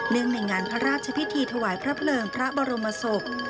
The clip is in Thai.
ในงานพระราชพิธีถวายพระเพลิงพระบรมศพ